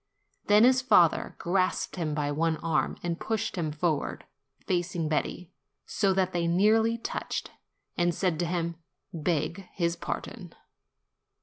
Then his father grasped him by one arm and pushed him forward, facing Betti, so that they nearly touched, and said to him, "Beg his pardon."